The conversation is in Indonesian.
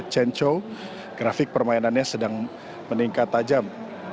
cencou grafik permainannya sedang meningkat tajam